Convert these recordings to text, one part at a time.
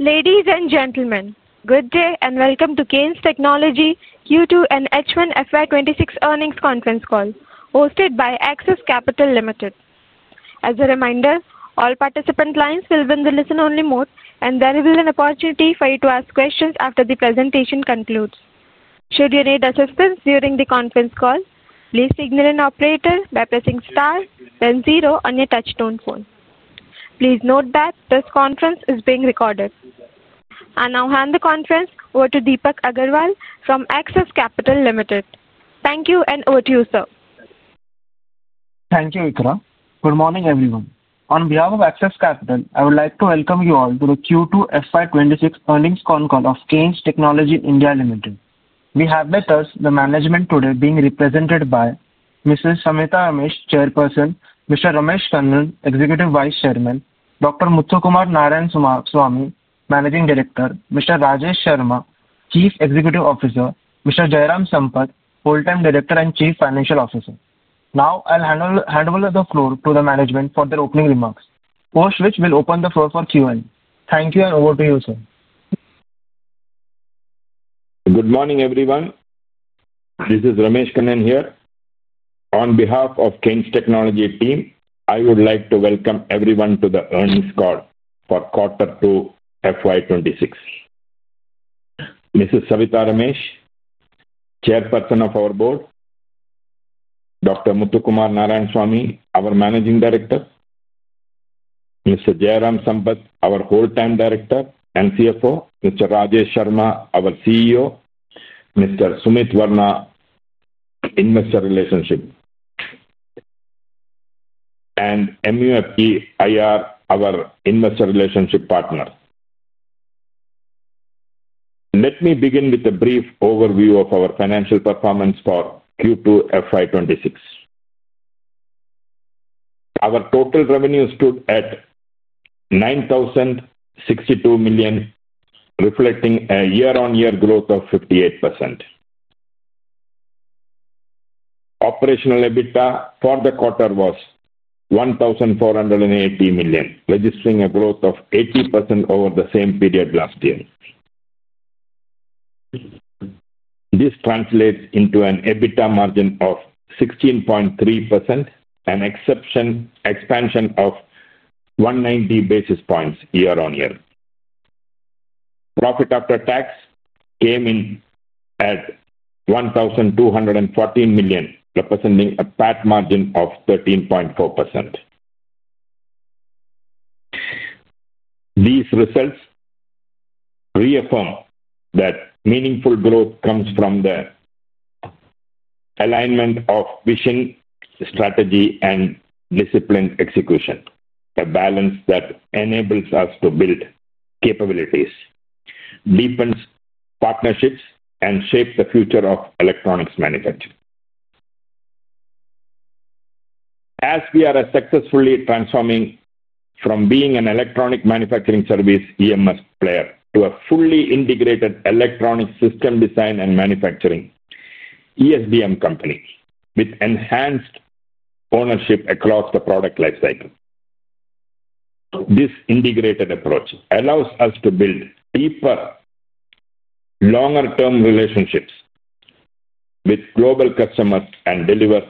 Ladies and gentlemen, good day and welcome to Kaynes Technology Q2 and H1 FY2026 earnings conference call, hosted by Axis Capital Limited. As a reminder, all participant lines will be in the listen-only mode, and there will be an opportunity for you to ask questions after the presentation concludes. Should you need assistance during the conference call, please signal an operator by pressing star, then zero on your touch-tone phone. Please note that this conference is being recorded. I now hand the conference over to Deepak Agarwal from Axis Capital Limited. Thank you, and over to you, sir. Thank you, Ikra. Good morning, everyone. On behalf of Axis Capital, I would like to welcome you all to the Q2 FY2026 earnings con call of Kaynes Technology India Limited. We have with us the management today being represented by Ms. Savitha Ramesh, Chairperson; Mr. Ramesh Kannan, Executive Vice Chairman; Dr. Muthukumar Narayanswamy, Managing Director; Mr. Rajesh Sharma, Chief Executive Officer; Mr. Jayaram Sampath, Full-time Director and Chief Financial Officer. Now, I'll hand over the floor to the management for their opening remarks, post which will open the floor for Q&A. Thank you, and over to you, sir. Good morning, everyone. This is Ramesh Kannan here. On behalf of Kaynes Technology team, I would like to welcome everyone to the earnings call for Q2 FY2026. Mrs. Savitha Ramesh, Chairperson of our board. Dr. Muthukumar Narayanswamy, our Managing Director. Mr. Jairam Sampath, our Full-time Director and CFO. Mr. Rajesh Sharma, our CEO. Mr. Sumit Varma, Investor Relations. And MUFG IR, our Investor Relations Partner. Let me begin with a brief overview of our financial performance for Q2 FY2026. Our total revenue stood at 9,062 million, reflecting a year-on-year growth of 58%. Operational EBITDA for the quarter was 1,480 million, registering a growth of 80% over the same period last year. This translates into an EBITDA margin of 16.3% and expansion of 190 basis points year-on-year. Profit after tax came in at 1,214 million, representing a PAT margin of 13.4%. These results reaffirm that meaningful growth comes from the alignment of vision, strategy, and disciplined execution, a balance that enables us to build capabilities, deepen partnerships, and shape the future of electronics manufacturing. As we are successfully transforming from being an electronic manufacturing service EMS player to a fully integrated electronic system design and manufacturing ESDM company with enhanced ownership across the product lifecycle. This integrated approach allows us to build deeper, longer-term relationships with global customers and deliver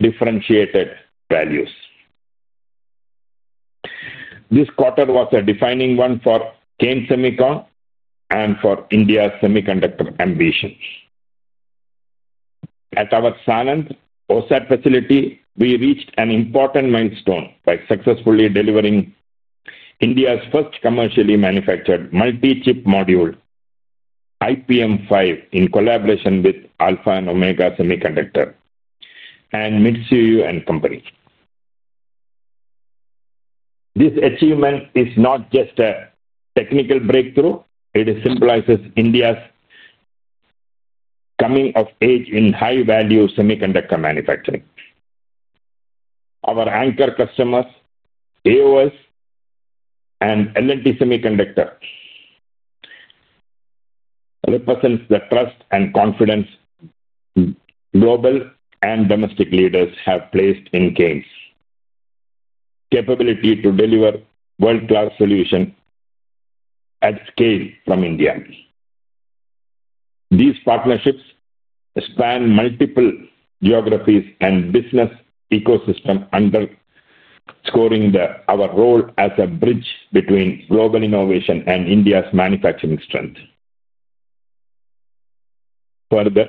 differentiated values. This quarter was a defining one for Kaynes Semicon and for India's semiconductor ambitions. At our Sanand OSAT facility, we reached an important milestone by successfully delivering India's first commercially manufactured multi-chip module, IPM5, in collaboration with Alpha and Omega Semiconductor and Mitsui & Company. This achievement is not just a technical breakthrough, it symbolizes India's coming of age in high-value semiconductor manufacturing. Our anchor customers, AOS and L&T Semiconductor, represent the trust and confidence global and domestic leaders have placed in Kaynes' capability to deliver world-class solutions at scale from India. These partnerships span multiple geographies and business ecosystems, underscoring our role as a bridge between global innovation and India's manufacturing strength. Further,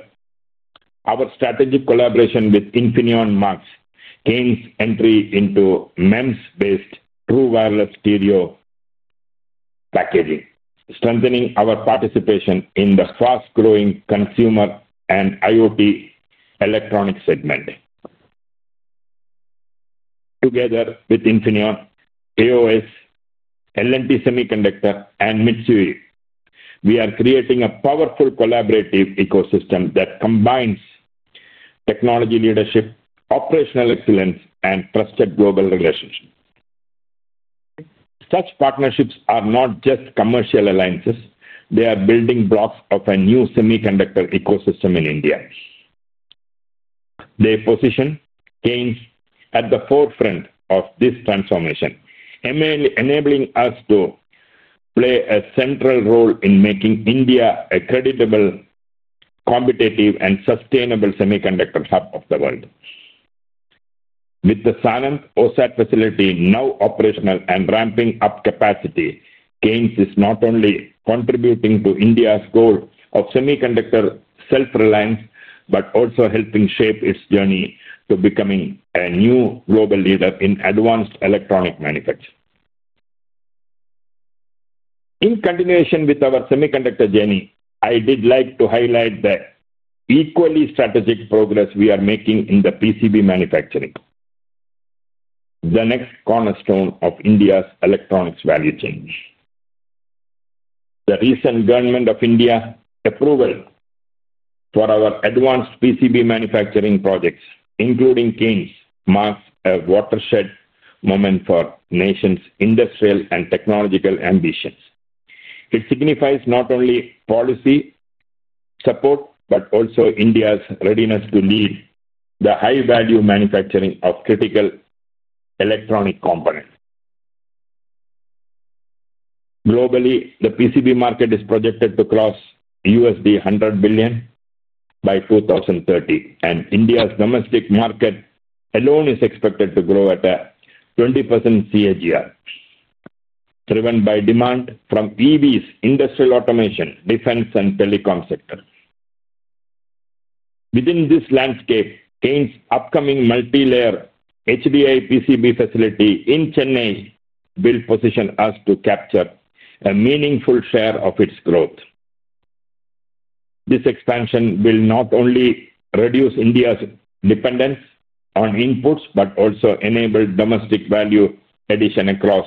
our strategic collaboration with Infineon marks Kaynes' entry into MEMS-based true wireless stereo packaging, strengthening our participation in the fast-growing consumer and IoT electronics segment. Together with Infineon, AOS, L&T Semiconductor, and Mitsui, we are creating a powerful collaborative ecosystem that combines technology leadership, operational excellence, and trusted global relationships. Such partnerships are not just commercial alliances, they are building blocks of a new semiconductor ecosystem in India. They position Kaynes at the forefront of this transformation, enabling us to play a central role in making India a credible, competitive, and sustainable semiconductor hub of the world. With the Sanand OSAT facility now operational and ramping up capacity, Kaynes is not only contributing to India's goal of semiconductor self-reliance but also helping shape its journey to becoming a new global leader in advanced electronic manufacturing. In continuation with our semiconductor journey, I'd like to highlight the equally strategic progress we are making in the PCB manufacturing, the next cornerstone of India's electronics value chain. The recent Government of India approval for our advanced PCB manufacturing projects, including Kaynes, marks a watershed moment for the nation's industrial and technological ambitions. It signifies not only policy support but also India's readiness to lead the high-value manufacturing of critical electronic components. Globally, the PCB market is projected to cross $100 billion by 2030, and India's domestic market alone is expected to grow at a 20% CAGR, driven by demand from EVs, industrial automation, defense, and telecom sectors. Within this landscape, Kaynes' upcoming multi-layer HDI PCB facility in Chennai will position us to capture a meaningful share of its growth. This expansion will not only reduce India's dependence on inputs but also enable domestic value addition across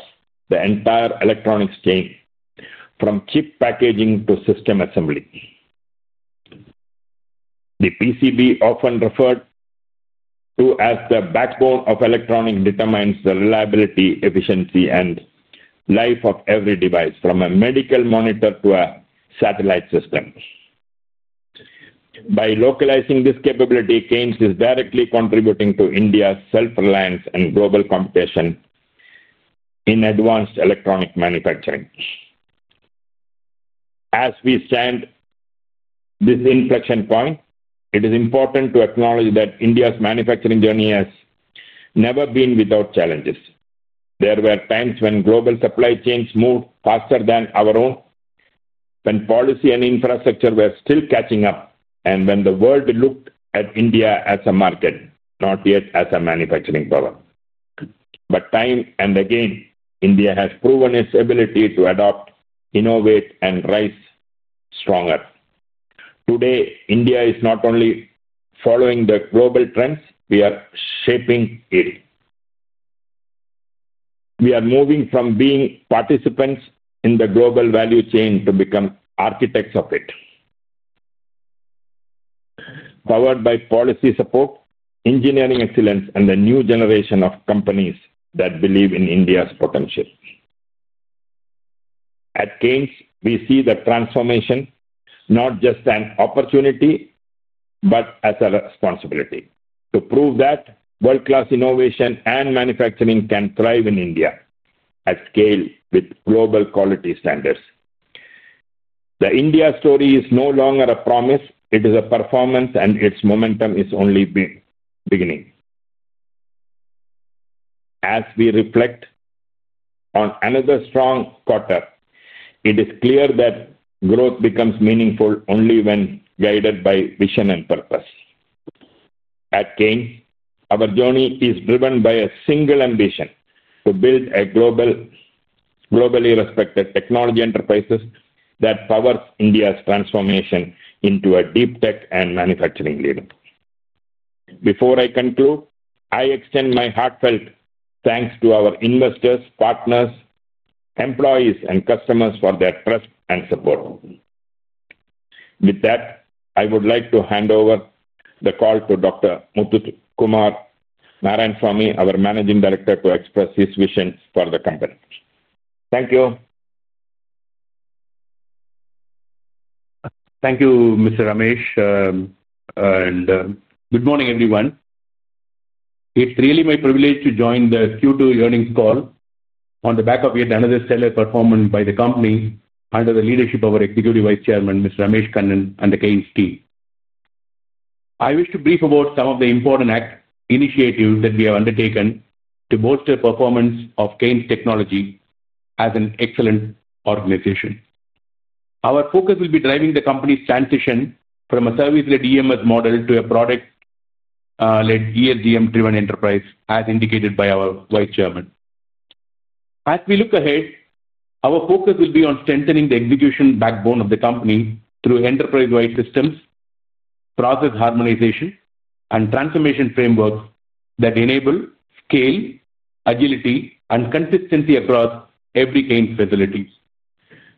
the entire electronics chain, from chip packaging to system assembly. The PCB, often referred to as the backbone of electronics, determines the reliability, efficiency, and life of every device, from a medical monitor to a satellite system. By localizing this capability, Kaynes is directly contributing to India's self-reliance and global competition in advanced electronic manufacturing. As we stand at this inflection point, it is important to acknowledge that India's manufacturing journey has never been without challenges. There were times when global supply chains moved faster than our own, when policy and infrastructure were still catching up, and when the world looked at India as a market, not yet as a manufacturing power. Time and again, India has proven its ability to adopt, innovate, and rise stronger. Today, India is not only following the global trends; we are shaping it. We are moving from being participants in the global value chain to become architects of it, powered by policy support, engineering excellence, and the new generation of companies that believe in India's potential. At Kaynes, we see the transformation not just as an opportunity but as a responsibility to prove that world-class innovation and manufacturing can thrive in India at scale with global quality standards. The India story is no longer a promise; it is a performance, and its momentum is only beginning. As we reflect on another strong quarter, it is clear that growth becomes meaningful only when guided by vision and purpose. At Kaynes, our journey is driven by a single ambition: to build a globally respected technology enterprise that powers India's transformation into a deep-tech and manufacturing leader. Before I conclude, I extend my heartfelt thanks to our investors, partners, employees, and customers for their trust and support. With that, I would like to hand over the call to Dr. Muthukumar Narayanswamy, our Managing Director, to express his vision for the company. Thank you. Thank you, Mr. Ramesh. Good morning, everyone. It's really my privilege to join the Q2 earnings call on the back of yet another stellar performance by the company under the leadership of our Executive Vice Chairman, Mr. Ramesh Kannan, and the Kaynes team. I wish to brief about some of the important initiatives that we have undertaken to bolster the performance of Kaynes Technology as an excellent organization. Our focus will be driving the company's transition from a service-led EMS model to a product-led ESDM-driven enterprise, as indicated by our Vice Chairman. As we look ahead, our focus will be on strengthening the execution backbone of the company through enterprise-wide systems, process harmonization, and transformation frameworks that enable scale, agility, and consistency across every Kaynes facility.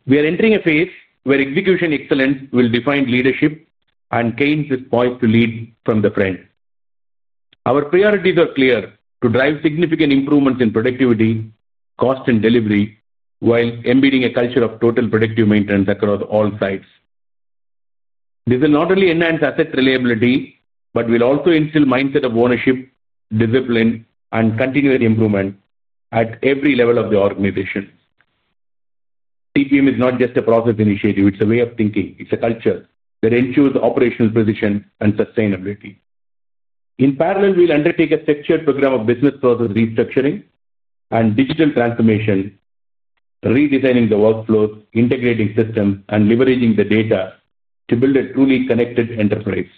We are entering a phase where execution excellence will define leadership, and Kaynes is poised to lead from the front. Our priorities are clear: to drive significant improvements in productivity, cost, and delivery while embedding a culture of total productive maintenance across all sites. This will not only enhance asset reliability but will also instill a mindset of ownership, discipline, and continued improvement at every level of the organization. TPM is not just a process initiative; it's a way of thinking. It's a culture that ensures operational precision and sustainability. In parallel, we'll undertake a structured program of business process restructuring and digital transformation, redesigning the workflows, integrating systems, and leveraging the data to build a truly connected enterprise.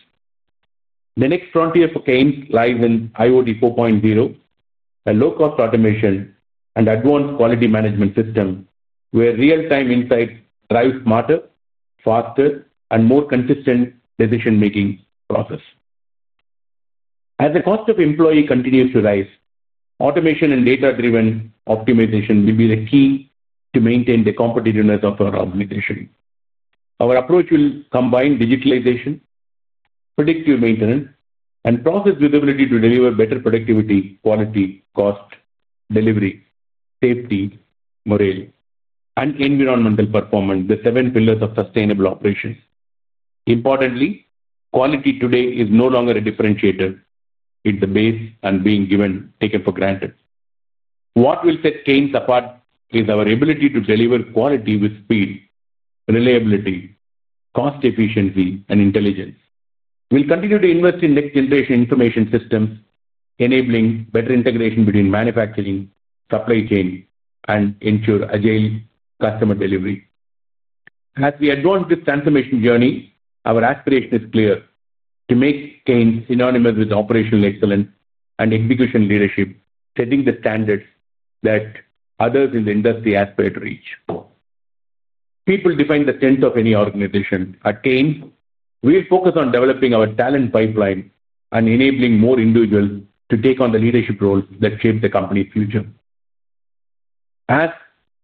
The next frontier for Kaynes lies in IoT 4.0, a low-cost automation and advanced quality management system where real-time insights drive smarter, faster, and more consistent decision-making processes. As the cost of employee continues to rise, automation and data-driven optimization will be the key to maintain the competitiveness of our organization. Our approach will combine digitalization, predictive maintenance, and process visibility to deliver better productivity, quality, cost, delivery, safety, morale, and environmental performance, the seven pillars of sustainable operations. Importantly, quality today is no longer a differentiator; it's the base and being taken for granted. What will set Kaynes apart is our ability to deliver quality with speed, reliability, cost efficiency, and intelligence. We'll continue to invest in next-generation information systems, enabling better integration between manufacturing, supply chain, and ensure agile customer delivery. As we advance this transformation journey, our aspiration is clear: to make Kaynes synonymous with operational excellence and execution leadership, setting the standards that others in the industry aspire to reach. People define the strength of any organization. At Kaynes, we'll focus on developing our talent pipeline and enabling more individuals to take on the leadership roles that shape the company's future. As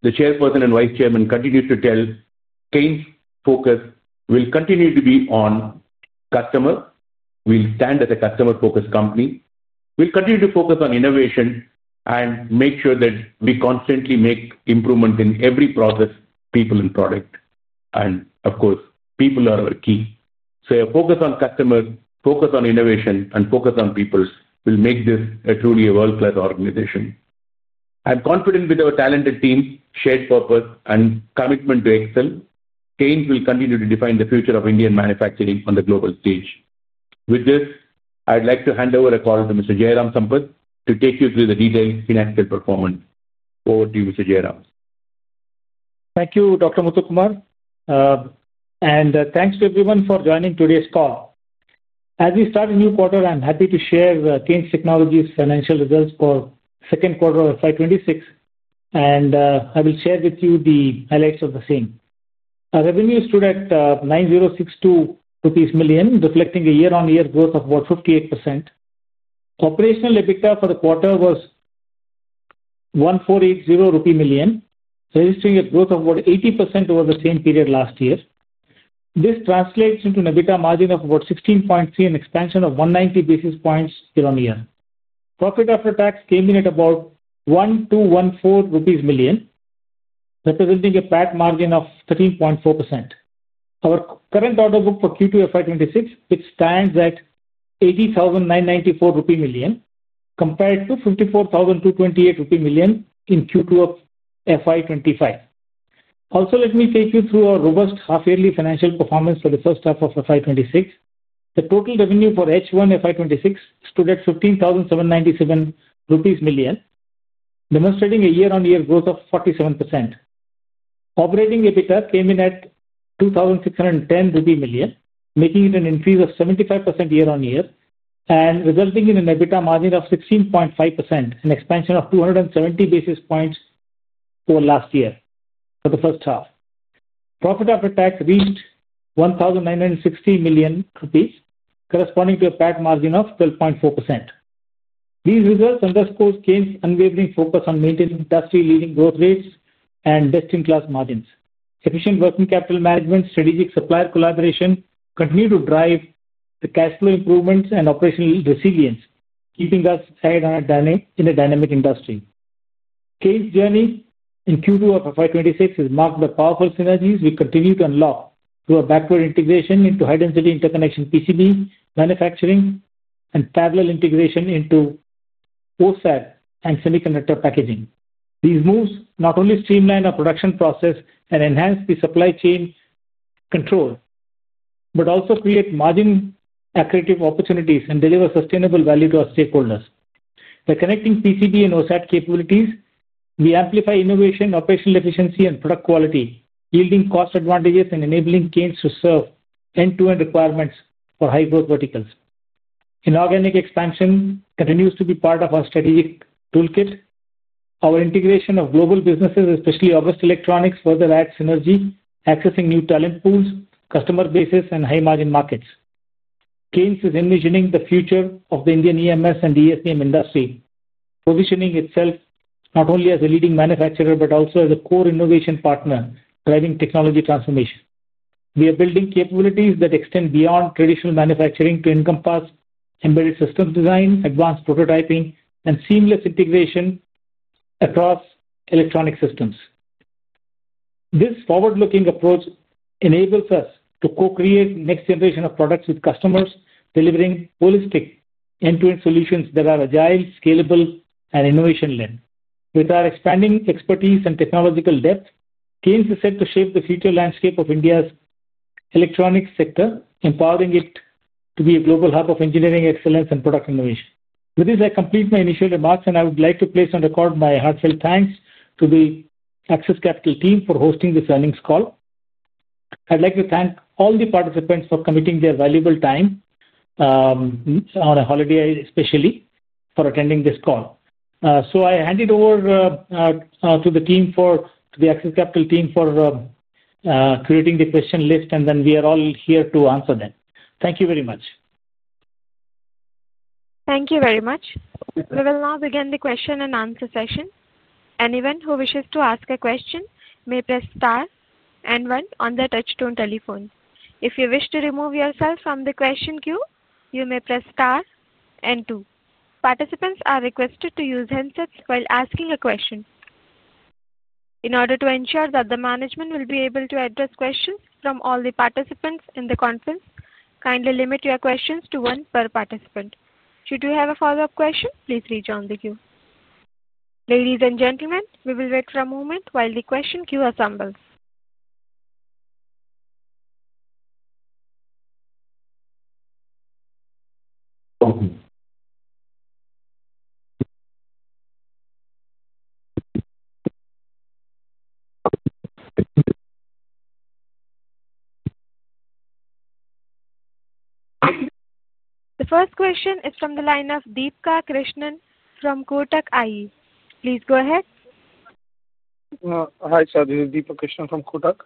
the Chairperson and Vice Chairman continue to tell, Kaynes' focus will continue to be on customer. We'll stand as a customer-focused company. We'll continue to focus on innovation and make sure that we constantly make improvements in every process, people, and product. Of course, people are our key. A focus on customers, focus on innovation, and focus on people will make this truly a world-class organization. I'm confident with our talented team, shared purpose, and commitment to excel, Kaynes will continue to define the future of Indian manufacturing on the global stage. With this, I'd like to hand over the call to Mr. Jairam Sampath to take you through the detailed financial performance. Over to you, Mr. Jairam. Thank you, Dr. Muthukumar. Thanks to everyone for joining today's call. As we start a new quarter, I'm happy to share Kaynes Technology's financial results for the second quarter of FY2026, and I will share with you the highlights of the same. Revenue stood at 9,062 million rupees, reflecting a year-on-year growth of about 58%. Operational EBITDA for the quarter was 1,480 million rupee, registering a growth of about 80% over the same period last year. This translates into an EBITDA margin of about 16.3% and an expansion of 190 basis points year-on-year. Profit after tax came in at about 1,214 million rupees, representing a PAT margin of 13.4%. Our current order book for Q2 FY2026 stands at 80,994 million rupee compared to 54,228 million rupee in Q2 of FY2025. Let me take you through our robust half-yearly financial performance for the first half of FY2026. The total revenue for H1 FY2026 stood at 15,797 million rupees, demonstrating a year-on-year growth of 47%. Operating EBITDA came in at 2,610 million rupee, making it an increase of 75% year-on-year and resulting in an EBITDA margin of 16.5% and an expansion of 270 basis points for last year for the first half. Profit after tax reached 1,960 million rupees, corresponding to a PAT margin of 12.4%. These results underscore Kaynes' unwavering focus on maintaining industry-leading growth rates and best-in-class margins. Efficient working capital management and strategic supplier collaboration continue to drive the cash flow improvements and operational resilience, keeping us ahead in a dynamic industry. Kaynes' journey in Q2 of FY2026 is marked by powerful synergies we continue to unlock through our backward integration into high-density interconnection PCB manufacturing and parallel integration into OSAT and semiconductor packaging. These moves not only streamline our production process and enhance the supply chain control, but also create margin-accretive opportunities and deliver sustainable value to our stakeholders. By connecting PCB and OSAT capabilities, we amplify innovation, operational efficiency, and product quality, yielding cost advantages and enabling Kaynes to serve end-to-end requirements for high-growth verticals. Inorganic expansion continues to be part of our strategic toolkit. Our integration of global businesses, especially August Electronics, further adds synergy, accessing new talent pools, customer bases, and high-margin markets. Kaynes is envisioning the future of the Indian EMS and ESDM industry, positioning itself not only as a leading manufacturer but also as a core innovation partner driving technology transformation. We are building capabilities that extend beyond traditional manufacturing to encompass embedded systems design, advanced prototyping, and seamless integration across electronic systems. This forward-looking approach enables us to co-create the next generation of products with customers, delivering holistic end-to-end solutions that are agile, scalable, and innovation-led. With our expanding expertise and technological depth, Kaynes is set to shape the future landscape of India's electronics sector, empowering it to be a global hub of engineering excellence and product innovation. With this, I complete my initial remarks, and I would like to place on record my heartfelt thanks to the Axis Capital team for hosting this earnings call. I'd like to thank all the participants for committing their valuable time. On a holiday, especially, for attending this call. I hand it over to the team, to the Axis Capital team, for creating the question list, and then we are all here to answer them. Thank you very much. Thank you very much. We will now begin the question-and-answer session. Anyone who wishes to ask a question may press star and one on their touchstone telephone. If you wish to remove yourself from the question queue, you may press star and two. Participants are requested to use handsets while asking a question. In order to ensure that the management will be able to address questions from all the participants in the conference, kindly limit your questions to one per participant. Should you have a follow-up question, please reach out on the queue. Ladies and gentlemen, we will wait for a moment while the question queue assembles. The first question is from the line of Deepak Krishnan from Kotak IE. Please go ahead. Hi, sir. This is Deepak Krishnan from Kotak.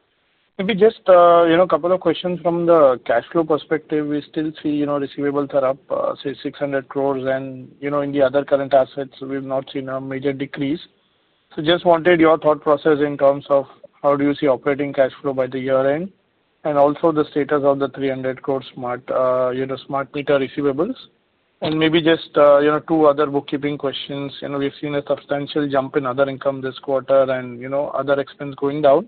Maybe just a couple of questions from the cash flow perspective. We still see receivables are up, say, 600 crore and in the other current assets, we have not seen a major decrease. Just wanted your thought process in terms of how you see operating cash flow by the year-end and also the status of the 300 crore Smart Meter receivables. Maybe just two other bookkeeping questions. We have seen a substantial jump in other income this quarter and other expense going down.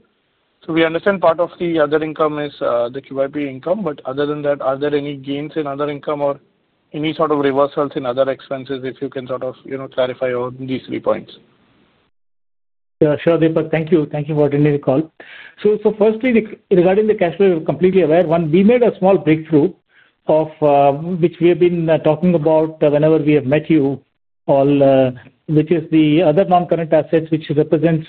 We understand part of the other income is the QIP income, but other than that, are there any gains in other income or any sort of reversals in other expenses if you can clarify all these three points? Sure, Deepak. Thank you. Thank you for attending the call. Firstly, regarding the cash flow, we're completely aware. One, we made a small breakthrough of which we have been talking about whenever we have met you all, which is the other non-current assets which represents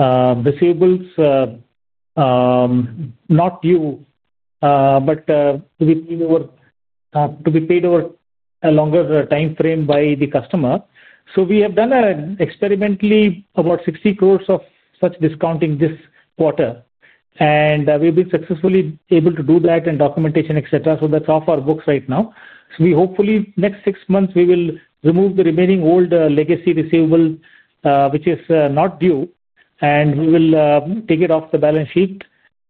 receivables, not due, but to be paid over a longer time frame by the customer. We have done experimentally about 60 crore of such discounting this quarter, and we've been successfully able to do that and documentation, etc. That's off our books right now. Hopefully, next six months, we will remove the remaining old legacy receivable which is not due, and we will take it off the balance sheet.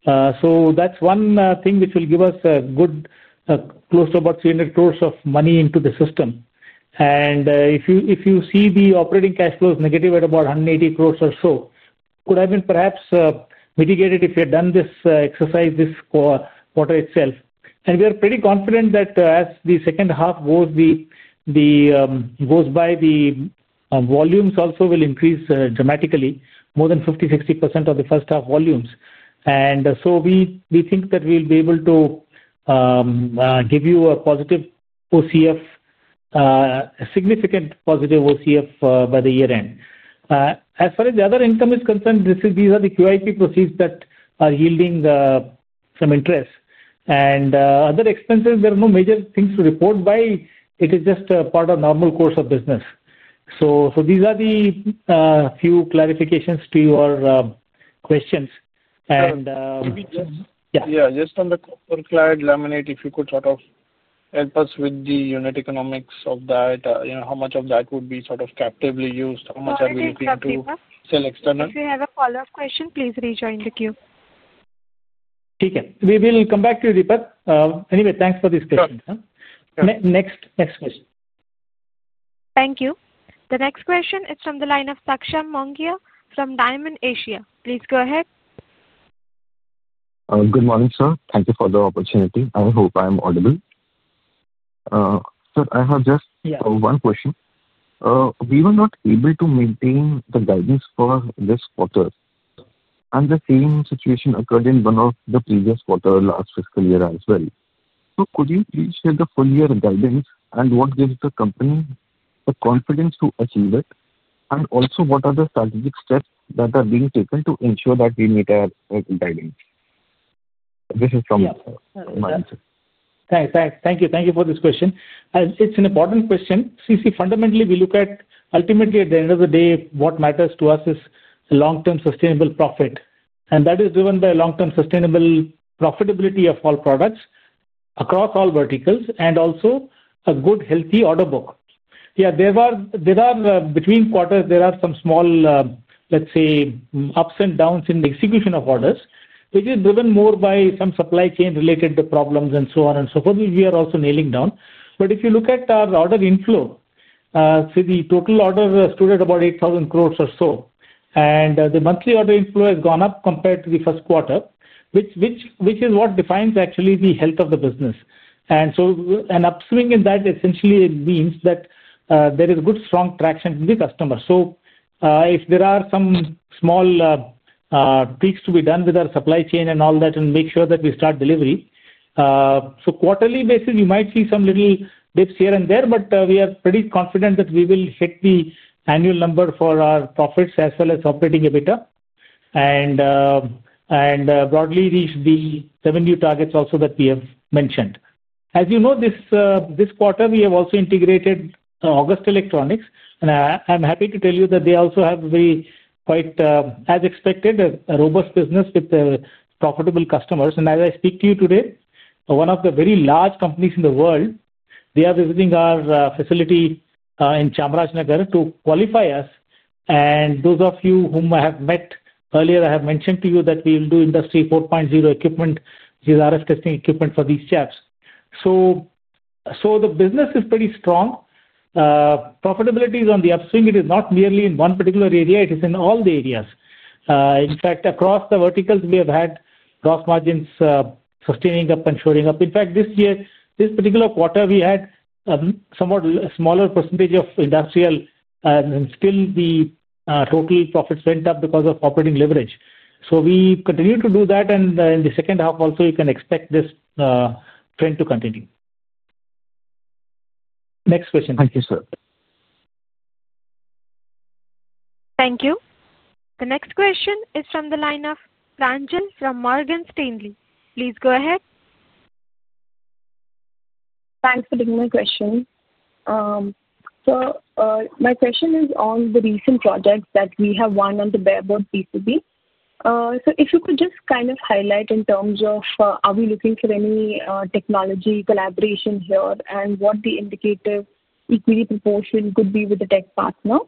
That's one thing which will give us a good, close to about 300 crore million of money into the system. If you see the operating cash flow is negative at about 180 crore million or so, it could have been perhaps mitigated if you had done this exercise this quarter itself. We are pretty confident that as the second half goes by, the volumes also will increase dramatically, more than 50%, 60% of the first half volumes. We think that we'll be able to give you a positive OCF, a significant positive OCF by the year-end. As far as the other income is concerned, these are the QIP proceeds that are yielding some interest. Other expenses, there are no major things to report by. It is just part of normal course of business. These are the few clarifications to your questions. Yeah. Yeah. Just on the copper-clad laminate, if you could sort of help us with the unit economics of that, how much of that would be sort of captively used, how much are we looking to sell external? If you have a follow-up question, please rejoin the queue. Okay. We will come back to you, Deepak. Anyway, thanks for this question. Sure. Next question. Thank you. The next question is from the line of Saksham Mongia from Dymon Asia. Please go ahead. Good morning, sir. Thank you for the opportunity. I hope I'm audible. Sir, I have just one question. We were not able to maintain the guidance for this quarter. The same situation occurred in one of the previous quarters last fiscal year as well. Could you please share the full year guidance and what gives the company the confidence to achieve it? Also, what are the strategic steps that are being taken to ensure that we meet our guidance? This is from. Thank you. Thank you for this question. It's an important question. See, fundamentally, we look at ultimately, at the end of the day, what matters to us is long-term sustainable profit. And that is driven by long-term sustainable profitability of all products across all verticals and also a good, healthy order book. Yeah, there are between quarters, there are some small, let's say, ups and downs in the execution of orders, which is driven more by some supply chain-related problems and so on and so forth, which we are also nailing down. If you look at our order inflow, see, the total order stood at about 8,000 crore or so. The monthly order inflow has gone up compared to the first quarter, which is what defines actually the health of the business. An upswing in that essentially means that there is good, strong traction with the customer. If there are some small peaks to be done with our supply chain and all that and make sure that we start delivery, on a quarterly basis, we might see some little dips here and there, but we are pretty confident that we will hit the annual number for our profits as well as operating EBITDA and broadly reach the revenue targets also that we have mentioned. As you know, this quarter, we have also integrated August Electronics. I'm happy to tell you that they also have a very, quite as expected, a robust business with profitable customers. As I speak to you today, one of the very large companies in the world, they are visiting our facility in Chamarajanagar to qualify us. Those of you whom I have met earlier, I have mentioned to you that we will do Industry 4.0 equipment, which is RF Testing Equipment for these chips. The business is pretty strong. Profitability is on the upswing. It is not merely in one particular area. It is in all the areas. In fact, across the verticals, we have had gross margins sustaining up and shoring up. In fact, this year, this particular quarter, we had a somewhat smaller percentage of industrial, and still the total profits went up because of operating leverage. We continue to do that. In the second half, also, you can expect this trend to continue. Next question. Thank you, sir. Thank you. The next question is from the line of Pranjal from Morgan Stanley. Please go ahead. Thanks for taking my question. Sir, my question is on the recent projects that we have won on the bare board PCB. If you could just kind of highlight in terms of are we looking for any technology collaboration here and what the indicative equity proportion could be with the tech partner,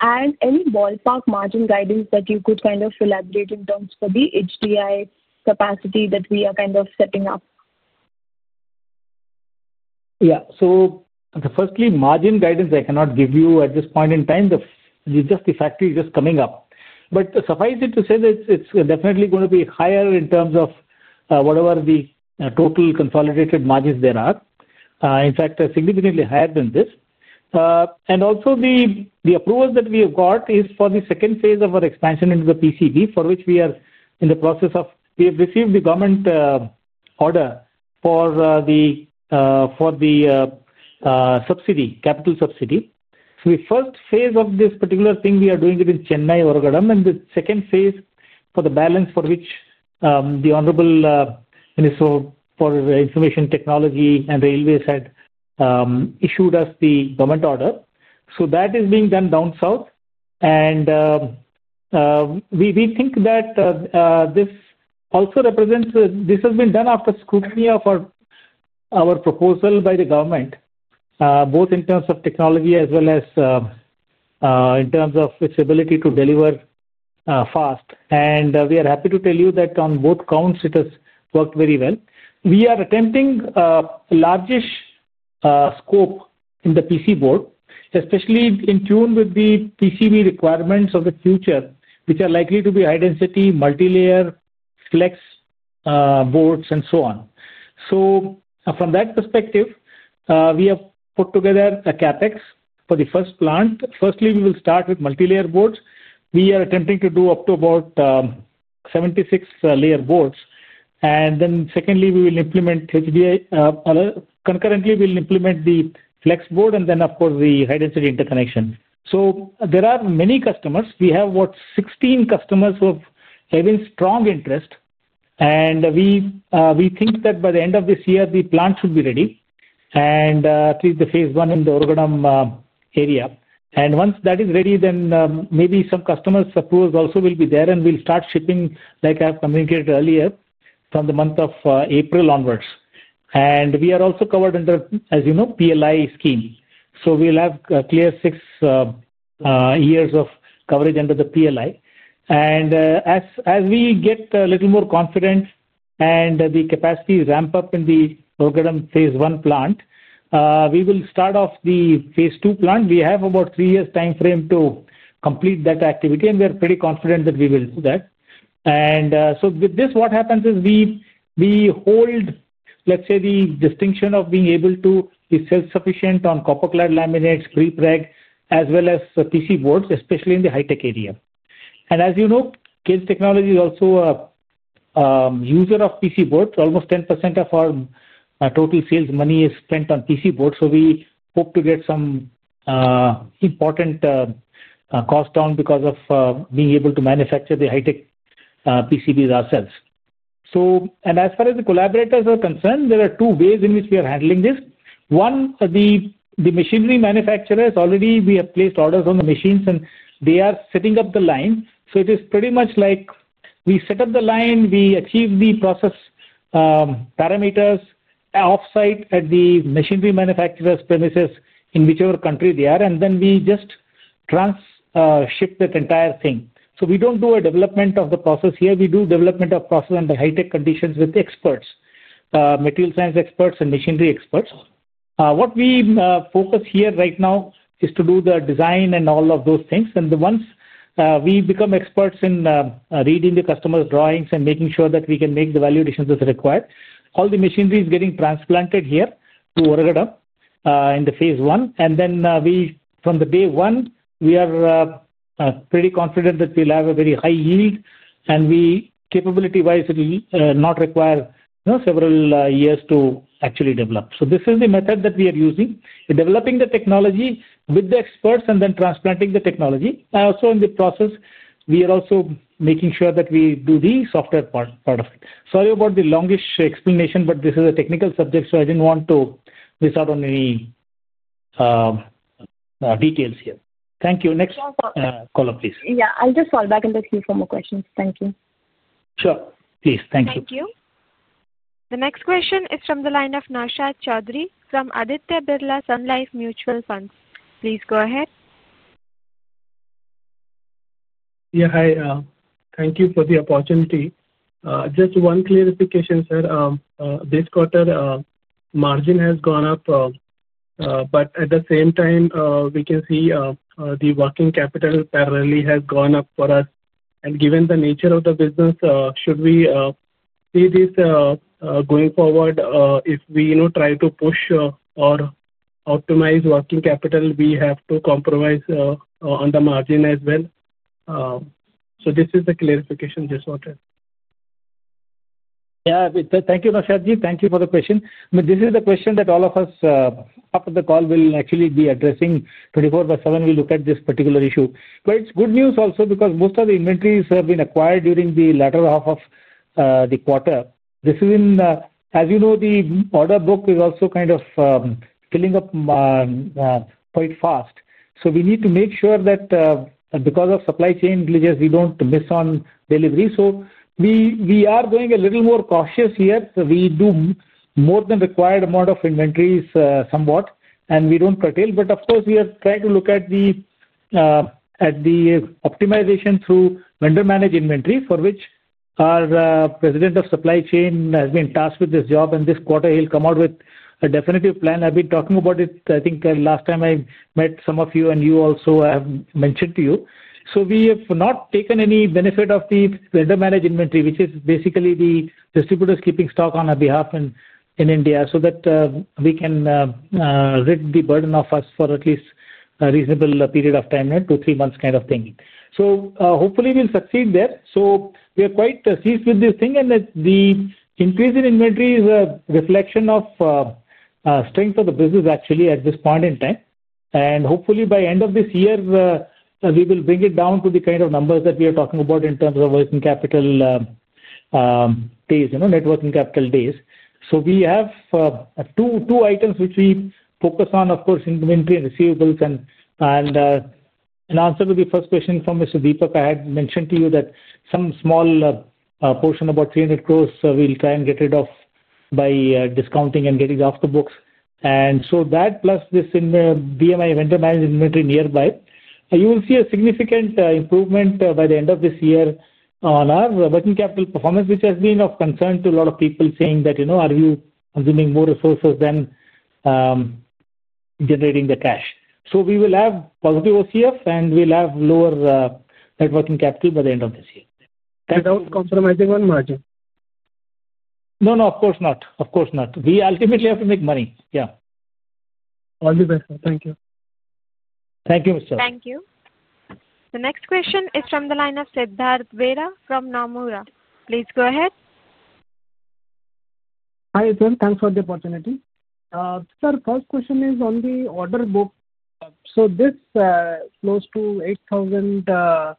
and any ballpark margin guidance that you could kind of elaborate in terms for the HDI capacity that we are kind of setting up? Yeah. Firstly, margin guidance, I cannot give you at this point in time. The factory is just coming up. Suffice it to say that it is definitely going to be higher in terms of whatever the total consolidated margins there are. In fact, significantly higher than this. Also, the approval that we have got is for the second phase of our expansion into the PCB, for which we are in the process of. We have received the Government order for the subsidy, capital subsidy. The first phase of this particular thing, we are doing it in Chennai, Oragadam. The second phase for the balance for which the Honorable Minister for Information Technology and Railways had issued us the Government order. That is being done down south. We think that this also represents this has been done after scrutiny of our proposal by the Government, both in terms of technology as well as in terms of its ability to deliver fast. We are happy to tell you that on both counts, it has worked very well. We are attempting a largish scope in the PC board, especially in tune with the PCB requirements of the future, which are likely to be high-density, multi-layer, flex boards, and so on. From that perspective, we have put together a CapEx for the first plant. Firstly, we will start with multi-layer boards. We are attempting to do up to about 76-layer boards. Then, we will implement HDI. Concurrently, we will implement the flex board and then, of course, the high-density interconnection. There are many customers. We have about 16 customers who have been strong interest. We think that by the end of this year, the plant should be ready, at least the phase one in the Oragadam area. Once that is ready, then maybe some customers' approvals also will be there, and we will start shipping, like I have communicated earlier, from the month of April onwards. We are also covered under, as you know, PLI scheme. We will have clear six years of coverage under the PLI. As we get a little more confident and the capacity ramps up in the Aurigadam phase one plant, we will start off the phase two plant. We have about three years' time frame to complete that activity, and we are pretty confident that we will do that. With this, what happens is we hold, let's say, the distinction of being able to be self-sufficient on copper-clad laminates, pre-preg, as well as PC boards, especially in the high-tech area. As you know, Kaynes Technology is also a user of PC boards. Almost 10% of our total sales money is spent on PC boards. We hope to get some important cost down because of being able to manufacture the high-tech PCBs ourselves. As far as the collaborators are concerned, there are two ways in which we are handling this. One, the machinery manufacturers, already we have placed orders on the machines, and they are setting up the line. It is pretty much like we set up the line, we achieve the process parameters off-site at the machinery manufacturer's premises in whichever country they are, and then we just ship that entire thing. We do not do a development of the process here. We do development of process under high-tech conditions with experts, material science experts, and machinery experts. What we focus here right now is to do the design and all of those things. Once we become experts in reading the customer's drawings and making sure that we can make the valuations as required, all the machinery is getting transplanted here to Oragadam in the phase one. From day one, we are pretty confident that we will have a very high yield, and capability-wise, it will not require several years to actually develop. This is the method that we are using: developing the technology with the experts and then transplanting the technology. Also, in the process, we are making sure that we do the software part of it. Sorry about the longish explanation, but this is a technical subject, so I did not want to miss out on any details here. Thank you. Next caller, please. Yeah. I'll just fall back into queue for more questions. Thank you. Sure. Please. Thank you. Thank you. The next question is from the line of Naushad Chaudhary from Aditya Birla Sun Life Mutual Fund. Please go ahead. Yeah. Hi. Thank you for the opportunity. Just one clarification, sir. This quarter, margin has gone up. At the same time, we can see the working capital parallelly has gone up for us. Given the nature of the business, should we see this going forward? If we try to push or optimize working capital, we have to compromise on the margin as well. This is the clarification just wanted. Yeah. Thank you, Naushad. Thank you for the question. This is the question that all of us after the call will actually be addressing 24/7. We look at this particular issue. It is good news also because most of the inventories have been acquired during the latter half of the quarter. As you know, the order book is also kind of filling up quite fast. We need to make sure that because of supply chain glitches, we do not miss on delivery. We are going a little more cautious here. We do more than required amount of inventories somewhat, and we do not curtail. Of course, we are trying to look at the optimization through vendor-managed inventory, for which our President of Supply Chain has been tasked with this job. This quarter, he will come out with a definitive plan. I have been talking about it. I think last time I met some of you, and you also have mentioned to you. We have not taken any benefit of the vendor-managed inventory, which is basically the distributors keeping stock on our behalf in India so that we can rid the burden of us for at least a reasonable period of time, two to three months kind of thing. Hopefully, we will succeed there. We are quite pleased with this thing. The increase in inventory is a reflection of strength of the business, actually, at this point in time. Hopefully, by the end of this year, we will bring it down to the kind of numbers that we are talking about in terms of working capital days, networking capital days. We have two items which we focus on, of course, inventory and receivables. In answer to the first question from Mr. Deepak, I had mentioned to you that some small portion, about 300 crore, we will try and get rid of by discounting and getting it off the books. That plus this VMI vendor-managed inventory nearby, you will see a significant improvement by the end of this year on our working capital performance, which has been of concern to a lot of people saying that, "Are you consuming more resources than generating the cash?" We will have positive OCF, and we will have lower networking capital by the end of this year. Without compromising on margin. No, no, of course not. Of course not. We ultimately have to make money. Yeah. All the best. Thank you. Thank you, Naushad. Thank you. The next question is from the line of Siddharth Verma from Nomura. Please go ahead. Hi. Thanks for the opportunity. Sir, first question is on the order book. This close to 8,000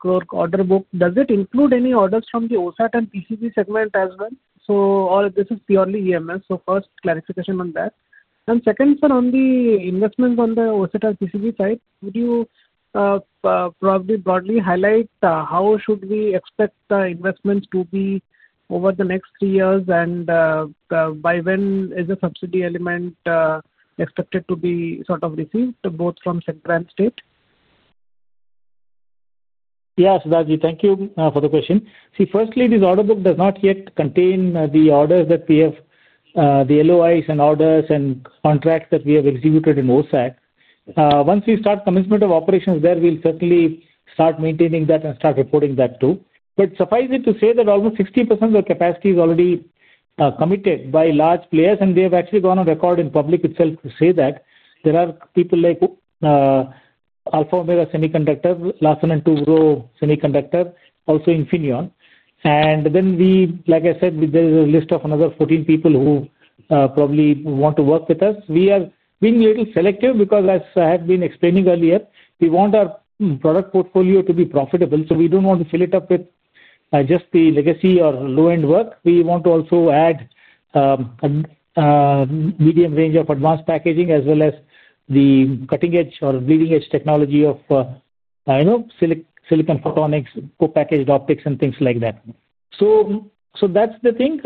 crore order book, does it include any orders from the OSAT and PCB segment as well? This is purely EMS. First, clarification on that. Second, sir, on the investments on the OSAT and PCB side, would you probably broadly highlight how should we expect the investments to be over the next three years? By when is a subsidy element expected to be sort of received both from sector and state? Yeah, Siddharth, thank you for the question. See, firstly, this order book does not yet contain the orders that we have, the LOIs and orders and contracts that we have executed in OSAT. Once we start commitment of operations there, we'll certainly start maintaining that and start reporting that too. Suffice it to say that almost 60% of the capacity is already committed by large players, and they have actually gone on record in public itself to say that. There are people like Alpha and Omega Semiconductor, L&T Semiconductor, also Infineon. Like I said, there is a list of another 14 people who probably want to work with us. We are being a little selective because, as I have been explaining earlier, we want our product portfolio to be profitable. We do not want to fill it up with just the legacy or low-end work. We want to also add a medium range of advanced packaging as well as the cutting-edge or bleeding-edge technology of silicon photonics, co-packaged optics, and things like that. That is the thing.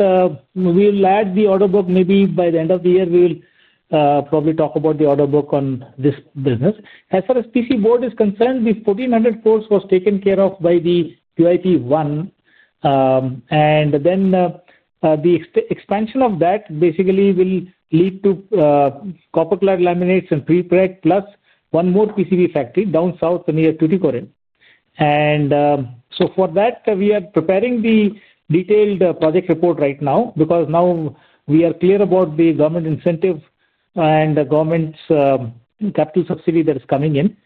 We will add the order book. Maybe by the end of the year, we will probably talk about the order book on this business. As far as PCB is concerned, the 1,400 crore was taken care of by the QIP. The expansion of that basically will lead to copper-clad laminates and pre-preg, plus one more PCB factory down south near Tuticorin. For that, we are preparing the detailed project report right now because now we are clear about the Government incentive and the Government's capital subsidy that is coming in.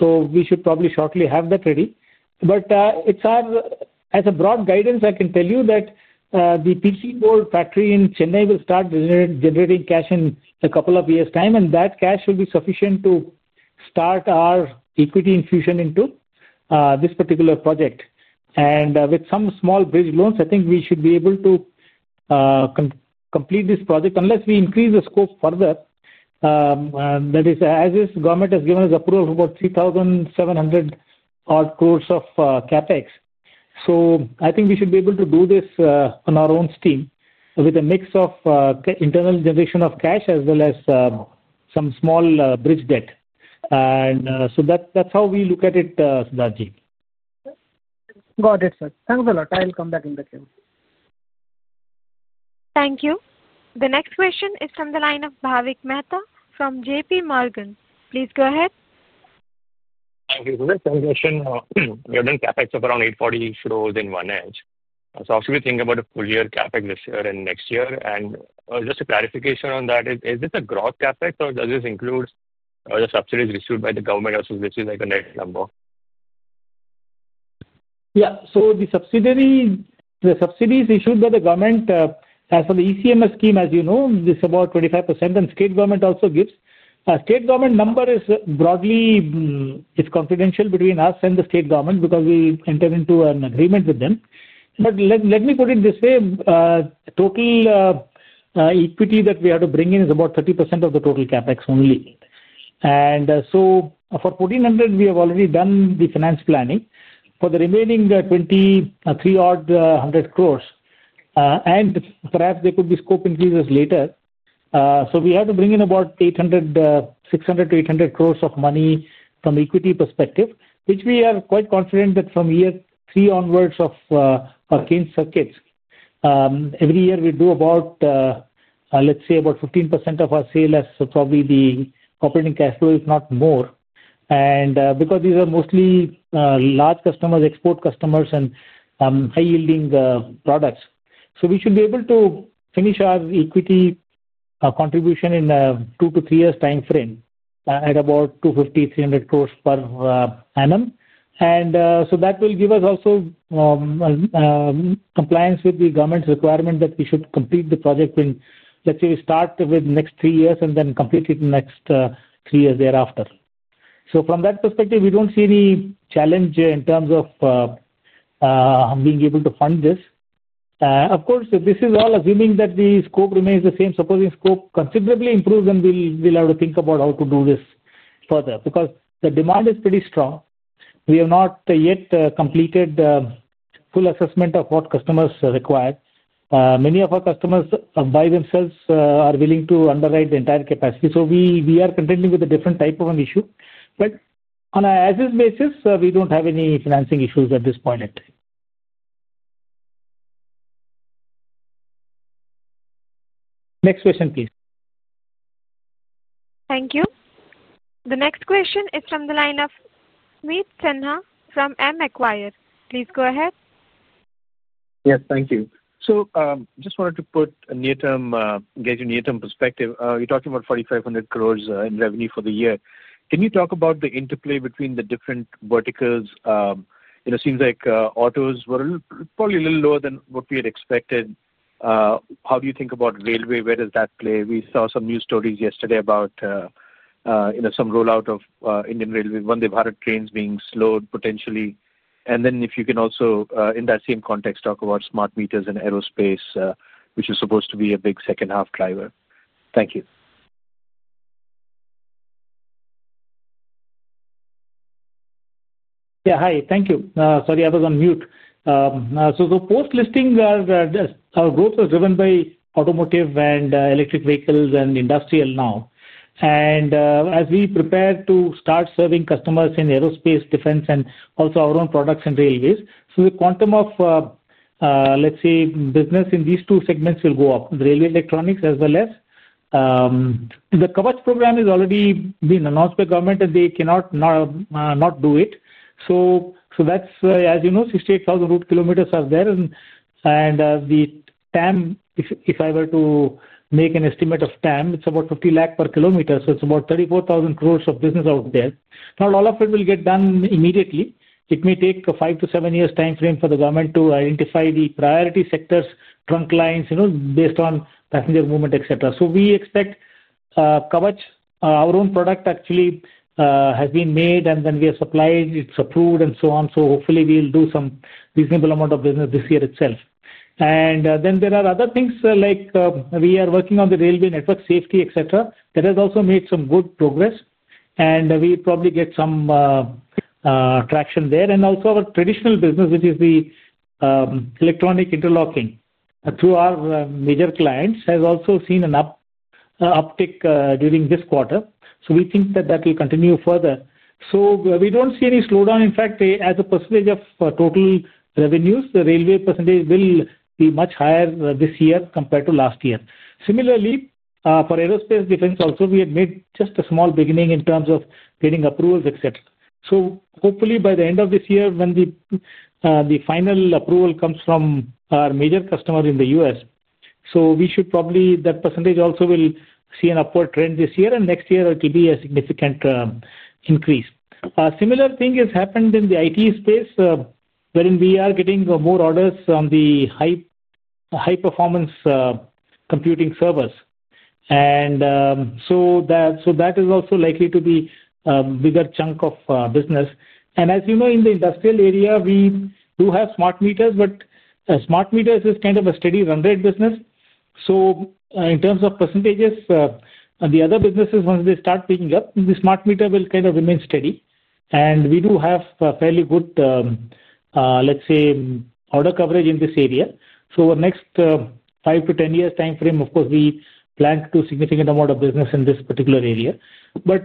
We should probably shortly have that ready. As a broad guidance, I can tell you that the PCB factory in Chennai will start generating cash in a couple of years' time, and that cash will be sufficient to start our equity infusion into this particular project. With some small bridge loans, I think we should be able to complete this project unless we increase the scope further. That is, as this Government has given us approval for about 3,700 crore of CapEx. I think we should be able to do this on our own steam with a mix of internal generation of cash as well as some small bridge debt. That is how we look at it, Siddharth. Got it, sir. Thanks a lot. I'll come back in the queue. Thank you. The next question is from the line of Bhavik Mehta from JPMorgan. Please go ahead. Thank you. This transition, we're doing CapEx of around 1,400 crore in one edge. I'm thinking about a full-year CapEx this year and next year. Just a clarification on that, is this a gross CapEx, or does this include the subsidies issued by the Government, or is this a net number? Yeah. The subsidies issued by the Government, as for the ECMS scheme, as you know, it's about 25%, and the state Government also gives. The state Government number is broadly confidential between us and the state Government because we enter into an agreement with them. Let me put it this way. The total equity that we have to bring in is about 30% of the total CapEx only. For 1,400 crore, we have already done the finance planning for the remaining 2,300 crore, and perhaps there could be scope increases later. We have to bring in about 600 crore-800 crore of money from the equity perspective, which we are quite confident that from year three onwards of Kaynes Circuits, every year, we do about, let's say, about 15% of our sale as probably the operating cash flow, if not more. These are mostly large customers, export customers, and high-yielding products, so we should be able to finish our equity contribution in a two to three-year time frame at about 250 crore-300 crore per annum. That will give us also compliance with the Government's requirement that we should complete the project when, let's say, we start with next three years and then complete it in the next three years thereafter. From that perspective, we don't see any challenge in terms of being able to fund this. Of course, this is all assuming that the scope remains the same. Supposing scope considerably improves, then we'll have to think about how to do this further because the demand is pretty strong. We have not yet completed full assessment of what customers require. Many of our customers by themselves are willing to underwrite the entire capacity. We are contending with a different type of an issue. On an as-is basis, we don't have any financing issues at this point in time. Next question, please. Thank you. The next question is from the line of Sumit Sinha from Macquarie. Please go ahead. Yes. Thank you. I just wanted to put a near-term perspective. You're talking about 4,500 crore in revenue for the year. Can you talk about the interplay between the different verticals? It seems like autos were probably a little lower than what we had expected. How do you think about railway? Where does that play? We saw some news stories yesterday about some rollout of Indian Railways, when they've had trains being slowed potentially. If you can also, in that same context, talk about smart meters and aerospace, which is supposed to be a big second-half driver. Thank you. Yeah. Hi. Thank you. Sorry, I was on mute. The post-listing, our growth was driven by automotive and electric vehicles and industrial now. As we prepare to start serving customers in aerospace, defense, and also our own products in railways, the quantum of, let's say, business in these two segments will go up, railway electronics as well as. The Kavach program has already been announced by Government, and they cannot do it. As you know, 68,000 route kilometers are there. The TAM, if I were to make an estimate of TAM, is about 50 lakh per kilometer. It is about 34,000 crore of business out there. Not all of it will get done immediately. It may take five to seven years' time frame for the Government to identify the priority sectors, trunk lines, based on passenger movement, etc. We expect Kavach. Our own product actually has been made, and then we have supplied, it is approved, and so on. Hopefully, we will do some reasonable amount of business this year itself. There are other things like we are working on the railway network safety, etc. That has also made some good progress. We probably get some traction there. Also, our traditional business, which is the electronic interlocking through our major clients, has also seen an uptick during this quarter. We think that will continue further. We do not see any slowdown. In fact, as a percentage of total revenues, the railway percentage will be much higher this year compared to last year. Similarly, for aerospace defense also, we had made just a small beginning in terms of getting approvals, etc. Hopefully, by the end of this year, when the final approval comes from our major customer in the U.S., we should probably, that percentage also will see an upward trend this year. Next year, it will be a significant increase. A similar thing has happened in the IT space. We are getting more orders on the high performance computing servers. That is also likely to be a bigger chunk of business. As you know, in the industrial area, we do have smart meters, but smart meters is kind of a steady run-rate business. In terms of percentages, the other businesses, once they start picking up, the smart meter will kind of remain steady. We do have fairly good, let's say, order coverage in this area. Over the next five to 10 years' time frame, of course, we plan to do a significant amount of business in this particular area.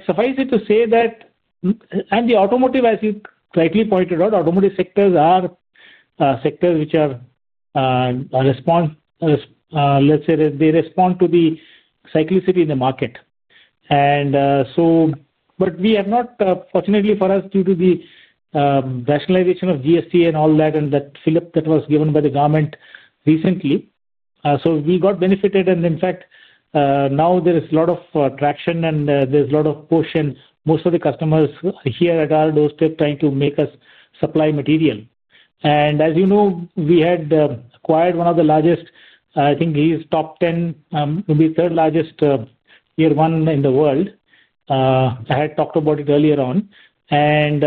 Suffice it to say that. The automotive, as you correctly pointed out, automotive sectors are sectors which are response, let's say, they respond to the cyclicity in the market. Fortunately for us, due to the rationalization of GST and all that and that slip that was given by the Government recently. We got benefited. In fact, now there is a lot of traction, and there is a lot of caution. Most of the customers are here at our doorstep trying to make us supply material. As you know, we had acquired one of the largest, I think he is top 10, maybe third largest tier one in the world. I had talked about it earlier on. We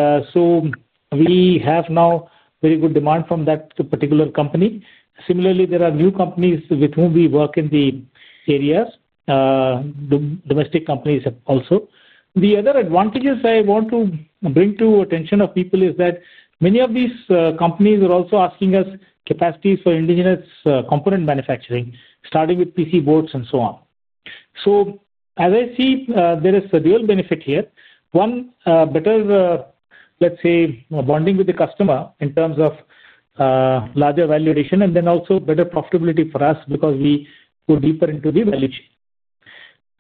have now very good demand from that particular company. Similarly, there are new companies with whom we work in the areas. Domestic companies also. The other advantages I want to bring to the attention of people is that many of these companies are also asking us capacities for indigenous component manufacturing, starting with PC boards and so on. As I see, there is a real benefit here. One, better, let's say, bonding with the customer in terms of larger valuation, and then also better profitability for us because we go deeper into the valuation.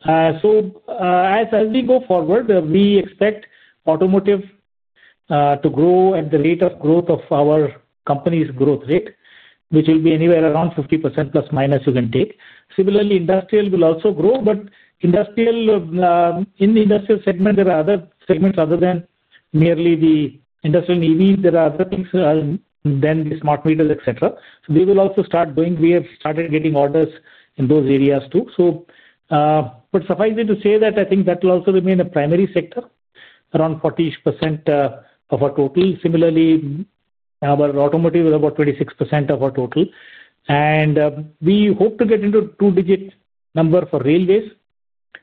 As we go forward, we expect automotive to grow at the rate of growth of our company's growth rate, which will be anywhere around 50%± you can take. Similarly, industrial will also grow. In the industrial segment, there are other segments other than merely the industrial and EVs. There are other things than the smart meters, etc. They will also start going. We have started getting orders in those areas too. Suffice it to say that I think that will also remain a primary sector, around 40% of our total. Similarly, our automotive is about 26% of our total. We hope to get into a two-digit number for railways,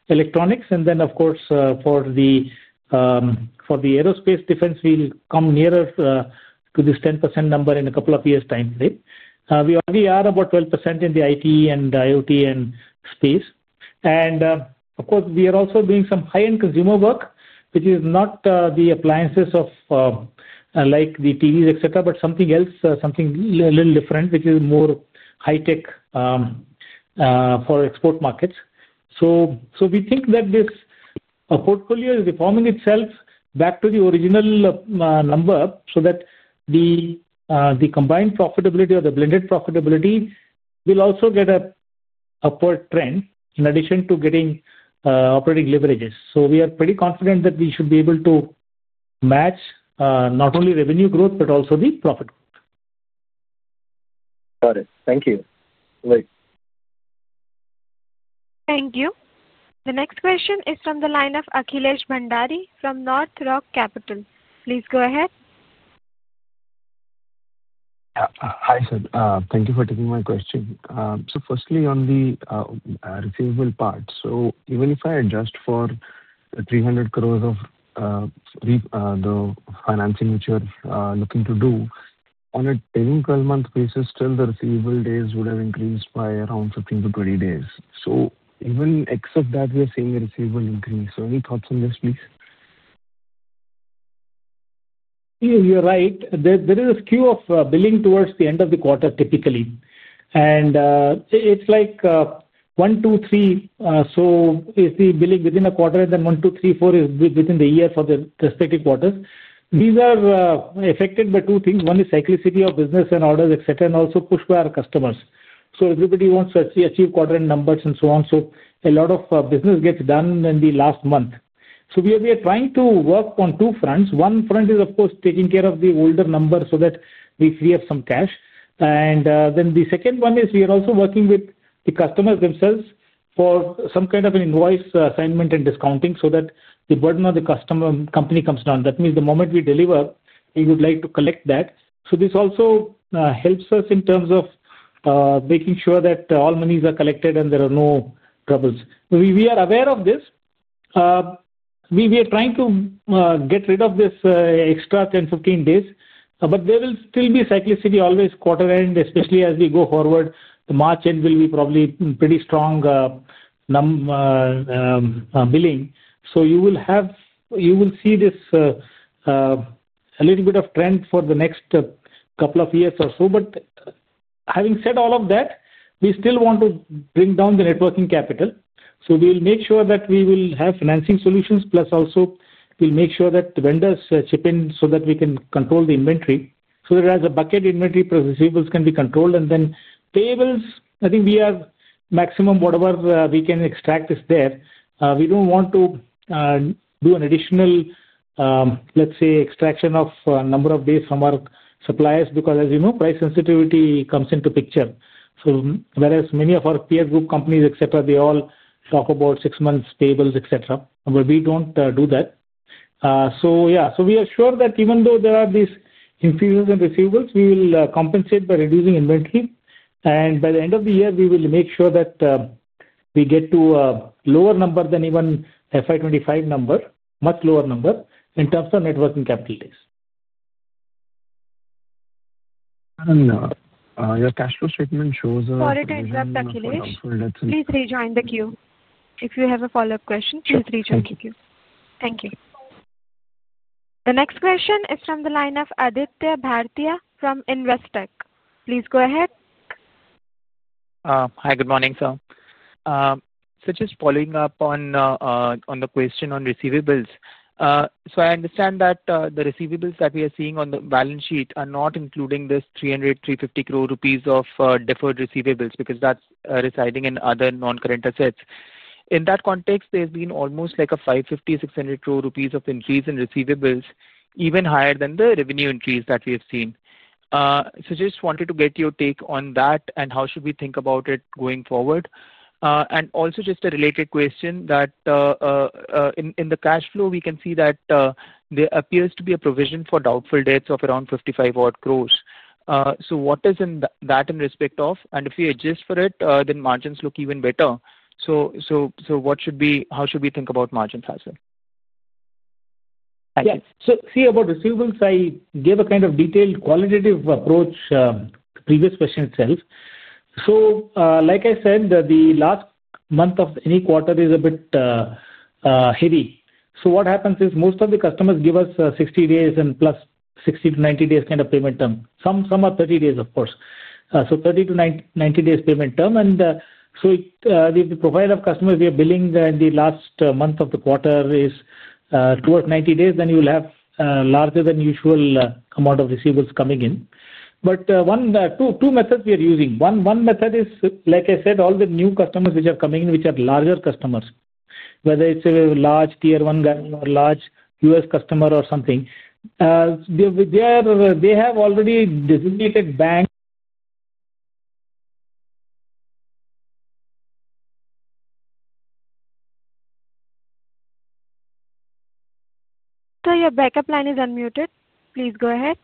electronics, and then, of course, for the aerospace defense, we will come nearer to this 10% number in a couple of years' time frame. We are about 12% in the IT and IoT space. We are also doing some high-end consumer work, which is not the appliances of like the TVs, etc., but something else, something a little different, which is more high-tech for export markets. We think that this portfolio is reforming itself back to the original number so that the combined profitability or the blended profitability will also get an upward trend in addition to getting operating leverages. We are pretty confident that we should be able to match not only revenue growth but also the profit growth. Got it. Thank you. Thank you. The next question is from the line of Akhilesh Bhandari from North Rock Capital. Please go ahead. Hi, sir. Thank you for taking my question. Firstly, on the receivable part, even if I adjust forINR 300 crore of the financing which you're looking to do, on a 10-month basis, still the receivable days would have increased by around 15-20 days. Even except that, we are seeing a receivable increase. Any thoughts on this, please? You're right. There is a skew of billing towards the end of the quarter, typically. And it's like one, two, three. So if the billing within a quarter and then one, two, three, four is within the year for the respective quarters, these are affected by two things. One is cyclicity of business and orders, etc., and also pushed by our customers. So everybody wants to achieve quadrant numbers and so on. A lot of business gets done in the last month. We are trying to work on two fronts. One front is, of course, taking care of the older numbers so that we free up some cash. The second one is we are also working with the customers themselves for some kind of an invoice assignment and discounting so that the burden on the customer company comes down. That means the moment we deliver, we would like to collect that. This also helps us in terms of making sure that all monies are collected and there are no troubles. We are aware of this. We are trying to get rid of this extra 10-15 days. There will still be cyclicity always quarter-end, especially as we go forward. The March end will be probably pretty strong billing. You will see this little bit of trend for the next couple of years or so. Having said all of that, we still want to bring down the networking capital. We'll make sure that we will have financing solutions, plus also we'll make sure that the vendors chip in so that we can control the inventory. As a bucket, inventory, receivables can be controlled. Payables, I think we have maximum whatever we can extract is there. We don't want to do an additional, let's say, extraction of a number of days from our suppliers because, as you know, price sensitivity comes into the picture. Whereas many of our peer group companies, etc., they all talk about six months payables, etc. We don't do that. We are sure that even though there are these infusions and receivables, we will compensate by reducing inventory. By the end of the year, we will make sure that we get to a lower number than even FY2025 number, much lower number in terms of networking capital days. Your cash flow statement shows a— Sorry to interrupt, Akhilesh. Please rejoin the queue. If you have a follow-up question, please rejoin the queue. Thank you. The next question is from the line of Aditya Bhartia from Investec. Please go ahead. Hi. Good morning, sir. Just following up on the question on receivables. I understand that the receivables that we are seeing on the balance sheet are not including this 300 crore rupees, 350 crore rupees of deferred receivables because that is residing in other non-current assets. In that context, there has been almost like an 550 crore-600 crore rupees increase in receivables, even higher than the revenue increase that we have seen. I just wanted to get your take on that and how should we think about it going forward. Also, just a related question. In the cash flow, we can see that there appears to be a provision for doubtful debts of around 55 crore. What is in that in respect of? If we adjust for it, then margins look even better. What should we think about margins, as well? Yes. See, about receivables, I gave a kind of detailed qualitative approach to the previous question itself. Like I said, the last month of any quarter is a bit heavy. What happens is most of the customers give us 60 days and plus, 60-90 days kind of payment term. Some are 30 days, of course. So 30-90 days payment term. The profile of customers we are billing in the last month of the quarter is towards 90 days, then you will have larger than usual amount of receivables coming in. Two methods we are using. One method is, like I said, all the new customers which are coming in, which are larger customers, whether it's a large tier one guy or large US customer or something, they have already designated bank. Sir, your backup line is unmuted. Please go ahead.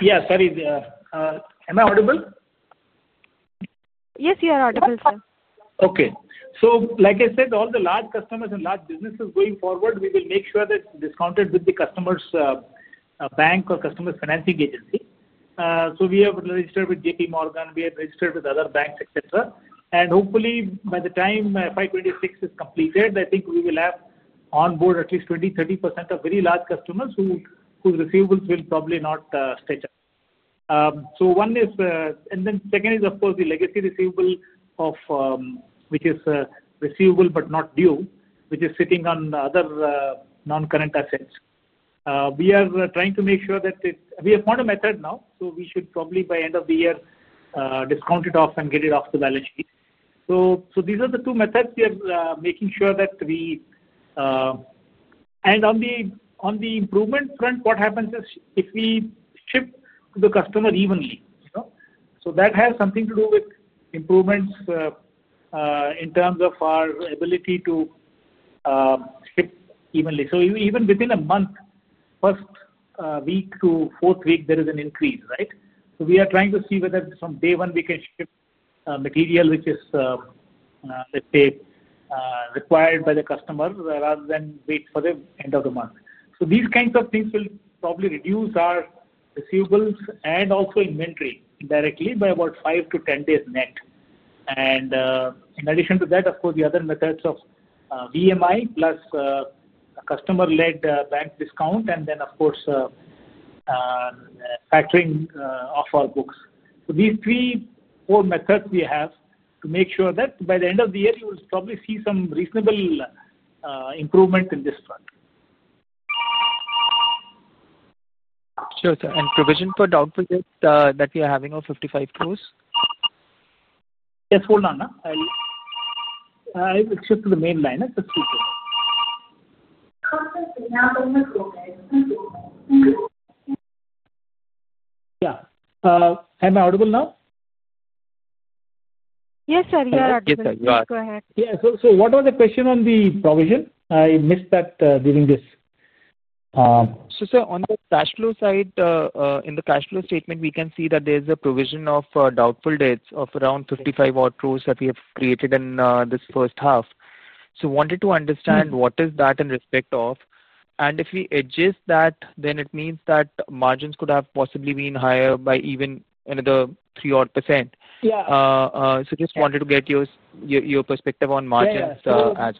Yes. Sorry. Am I audible? Yes, you are audible, sir. Okay. Like I said, all the large customers and large businesses going forward, we will make sure that it is discounted with the customer's bank or customer's financing agency. We have registered with JPMorgan. We have registered with other banks, etc. Hopefully, by the time FY2026 is completed, I think we will have onboard at least 20%, 30% of very large customers whose receivables will probably not stay there. One is, and then second is, of course, the legacy receivable, which is receivable but not due, which is sitting on other non-current assets. We are trying to make sure that we have found a method now. We should probably, by end of the year, discount it off and get it off the balance sheet. These are the two methods we are making sure that we. On the improvement front, what happens is if we shift the customer evenly. That has something to do with improvements in terms of our ability to shift evenly. Even within a month, first week to fourth week, there is an increase, right? We are trying to see whether from day one, we can shift material, which is, let's say, required by the customer rather than wait for the end of the month. These kinds of things will probably reduce our receivables and also inventory directly by about five to 10 days net. In addition to that, of course, the other methods of VMI plus customer-led bank discount, and then, of course, factoring of our books. These three, four methods we have to make sure that by the end of the year, you will probably see some reasonable improvement in this front. Sure, sir. And provision for doubtful debt that we are having of 55 crore? Yes, hold on. I will shift to the main line. Let's see. Yeah. Am I audible now? Yes, sir. You're audible. Yes, sir. You're audible. Please go ahead. Yeah. What was the question on the provision? I missed that during this. Sir, on the cash flow side, in the cash flow statement, we can see that there is a provision of doubtful debts of around 55 crore that we have created in this first half. I wanted to understand what that is in respect of. If we adjust that, then it means that margins could have possibly been higher by even another 3%. I just wanted to get your perspective on margins as well.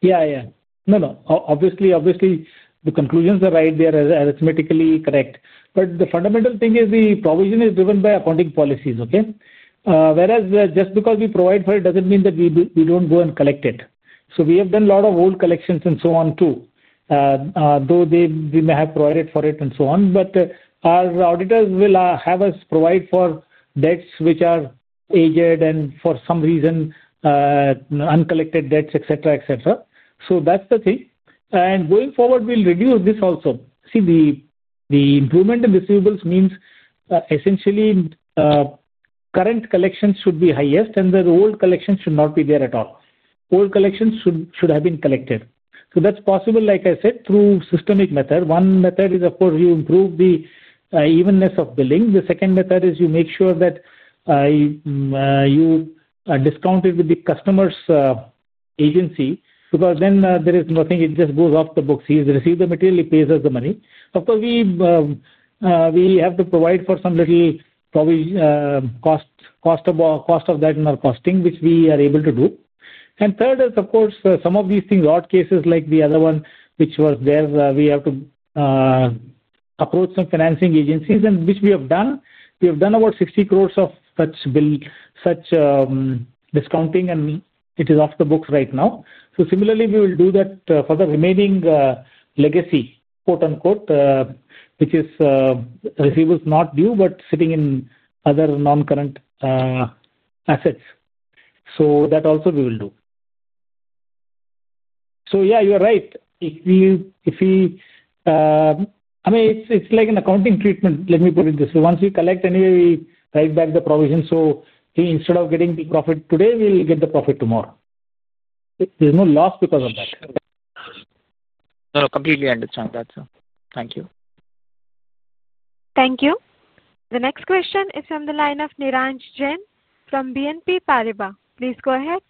Yeah, yeah. No, no. Obviously, the conclusions are right. They are arithmetically correct. The fundamental thing is the provision is driven by accounting policies, okay? Whereas just because we provide for it does not mean that we do not go and collect it. We have done a lot of old collections and so on too. Though we may have provided for it and so on, our auditors will have us provide for debts which are aged and for some reason. Uncollected debts, etc., etc. That is the thing. Going forward, we will reduce this also. See, the improvement in receivables means essentially current collections should be highest, and the old collections should not be there at all. Old collections should have been collected. That is possible, like I said, through systemic method. One method is, of course, you improve the evenness of billing. The second method is you make sure that you discount it with the customer's agency because then there is nothing. It just goes off the books. He has received the material. He pays us the money. Of course, we have to provide for some little cost of that in our costing, which we are able to do. Third is, of course, some of these things, odd cases like the other one, which was there, we have to approach some financing agencies, which we have done. We have done about 60 crore of such discounting, and it is off the books right now. Similarly, we will do that for the remaining legacy, which is receivables not due, but sitting in other non-current assets. That also we will do. Yeah, you are right. I mean, it is like an accounting treatment, let me put it this way. Once we collect, anyway, we write back the provision. Instead of getting the profit today, we will get the profit tomorrow. There is no loss because of that. No, no. Completely understand that, sir. Thank you. Thank you. The next question is from the line of Neeraj Jain from BNP Paribas. Please go ahead.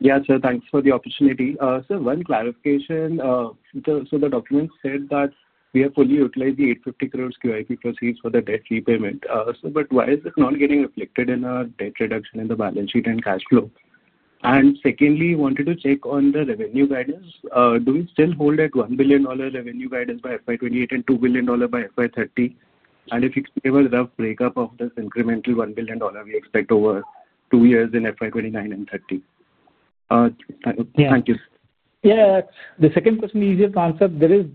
Yeah, sir. Thanks for the opportunity. Sir, one clarification. The documents said that we have fully utilized the 50 QIP proceeds for the debt repayment. Why is it not getting reflected in our debt reduction in the balance sheet and cash flow? Secondly, wanted to check on the revenue guidance. Do we still hold at $1 billion revenue guidance by FY2028 and $2 billion by FY2030? If we have a rough breakup of this incremental $1 billion we expect over two years in FY2029 and FY2030? Thank you. Yeah. The second question is easy to answer. There is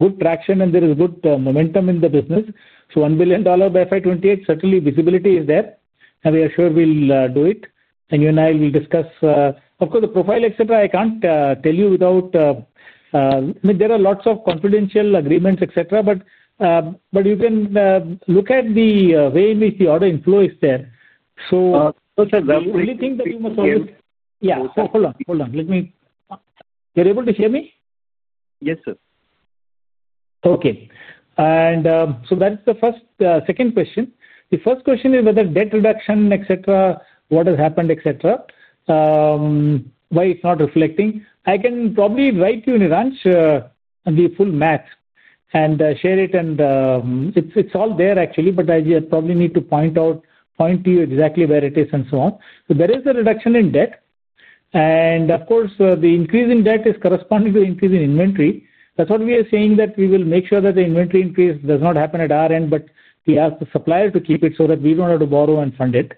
good traction, and there is good momentum in the business. So $1 billion by FY2028, certainly visibility is there. And we are sure we'll do it. And you and I will discuss. Of course, the profile, etc., I can't tell you without. I mean, there are lots of confidential agreements, etc., but you can look at the way in which the order inflow is there. No, sir. You really think that you must always? Yeah. Hold on. Let me. You're able to hear me? Yes, sir. Okay. That is the first. Second question. The first question is whether debt reduction, etc., what has happened, etc. Why it is not reflecting. I can probably write to you, Neeraj, the full math and share it. It is all there, actually, but I probably need to point out, point to you exactly where it is and so on. There is a reduction in debt. Of course, the increase in debt is corresponding to the increase in inventory. That is what we are saying, that we will make sure that the inventory increase does not happen at our end, but we ask the supplier to keep it so that we do not have to borrow and fund it.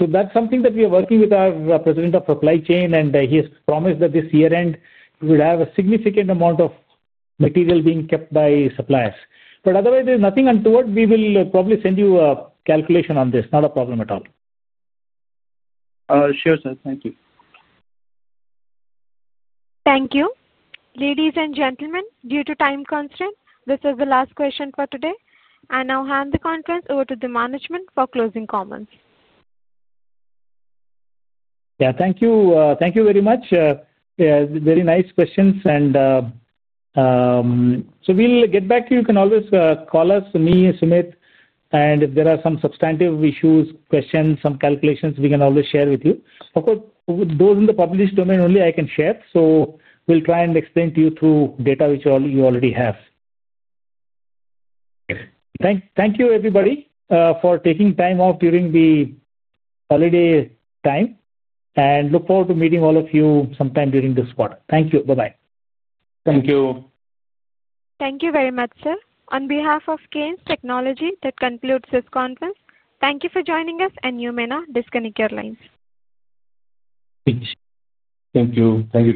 That is something that we are working with our President of Supply Chain, and he has promised that this year-end, we will have a significant amount of material being kept by suppliers. Otherwise, there is nothing. Until what? We will probably send you a calculation on this. Not a problem at all. Sure, sir. Thank you. Thank you. Ladies and gentlemen, due to time constraints, this is the last question for today. I now hand the conference over to the management for closing comments. Yeah. Thank you. Thank you very much. Very nice questions. We will get back to you. You can always call us, me or Sumit, and if there are some substantive issues, questions, some calculations, we can always share with you. Of course, those in the published domain only I can share. We will try and explain to you through data which you already have. Thank you, everybody, for taking time off during the holiday time. Look forward to meeting all of you sometime during this quarter. Thank you. Bye-bye. Thank you. Thank you very much, sir. On behalf of Kaynes Technology, that concludes this conference. Thank you for joining us, and you may now disconnect your lines. Thank you.